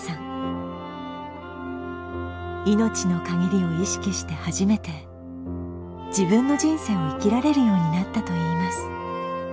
命の限りを意識して初めて自分の人生を生きられるようになったといいます。